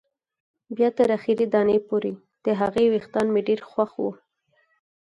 بیا تر اخري دانې پورې، د هغې وېښتان مې ډېر خوښ وو.